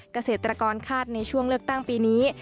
เกษตรกรคาดในช่วงเลือกตั้งปีนี้